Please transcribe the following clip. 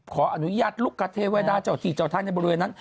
ขออนุญาตลุกคเทวดาเจ้าที่เจ้าทางในบริเวณนั้น